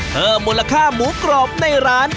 เพิ่มมูลค่าหมูกรอบในร้าน